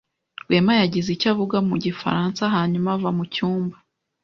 Rwema yagize icyo avuga mu gifaransa hanyuma ava mucyumba.